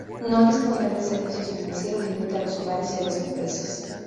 No disponer de servicios financieros limita a los hogares y a las empresas.